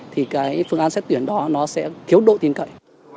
thì cái phương án xếp tuyển đó nó sẽ khiếu độ tiền cậy